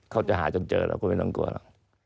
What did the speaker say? เขาจะหาจนเจอแล้วคุณไม่ต้องกลัวแล้ว